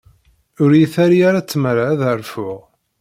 Ur iyi-terri ara tmara ad rfuɣ.